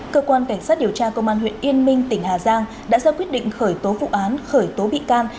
cơ quan cảnh sát điều tra công an huyện yên minh tỉnh hà giang đã ra quyết định khởi tố vụ án khởi tố bị can